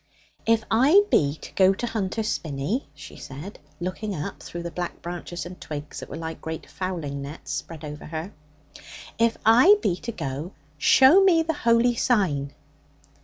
'If I be to go to Hunter's Spinney,' she said, looking up through the black branches and twigs that were like great fowling nets spread over her 'if I be to go, show me the Holy Sign.'